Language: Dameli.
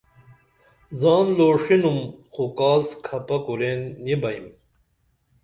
زان لوݜینُم خو کاس کھپہ کورین نی بئیم